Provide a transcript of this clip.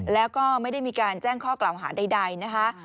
แล้วก็ไม่ได้มีการแจ้งข้อกล่าวหาใดนะคะ